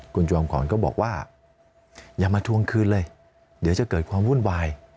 คุณจอมขวัญก็บอกว่าอย่ามาทวงคืนเลยเดี๋ยวจะเกิดความวุ่นวาย